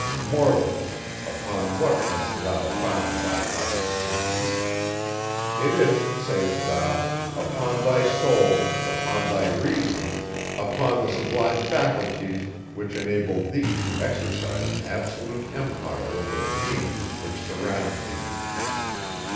Mortal! upon what canst thou found thy haughty pretensions? It is, sayest thou, upon thy soul, upon thy reason, upon the sublime faculties, which enable thee to exercise an absolute empire over the beings, which surround thee.